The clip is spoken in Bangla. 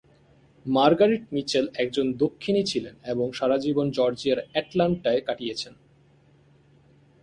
মার্গারেট মিচেল একজন দক্ষিণী ছিলেন ও সারাজীবন জর্জিয়ার অ্যাটল্যান্টায় কাটিয়েছেন।